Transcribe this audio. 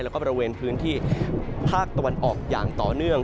แล้วก็บริเวณพื้นที่ภาคตะวันออกอย่างต่อเนื่อง